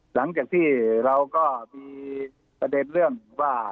หลังจากที่เราก็มีประเด็นเรื่องว่า